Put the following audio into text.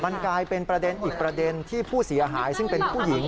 มันกลายเป็นประเด็นอีกประเด็นที่ผู้เสียหายซึ่งเป็นผู้หญิง